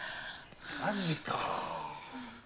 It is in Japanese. マジか。